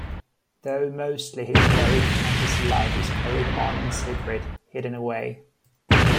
Though mostly his varied fantasy life is carried on in secret, hidden away.